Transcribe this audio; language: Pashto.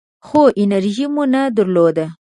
خو انرژي مو نه درلوده .